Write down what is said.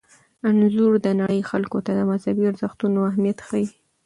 انځور د نړۍ خلکو ته د مذهبي ارزښتونو اهمیت ښيي.